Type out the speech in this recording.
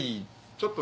ちょっと。